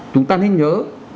chúng ta nên nhớ